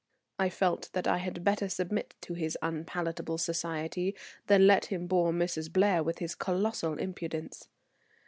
I felt that I had better submit to his unpalatable society than let him bore Mrs. Blair with his colossal impudence.